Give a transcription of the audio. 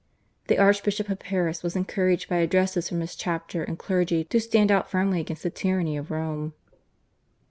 The Archbishop of Paris was encouraged by addresses from his chapter and clergy to stand out firmly against the tyranny of Rome.